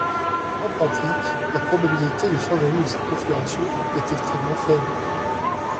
En pratique, la probabilité de survenue de cette configuration est extrêmement faible.